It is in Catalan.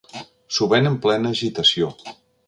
S'ho ven en plena agitació.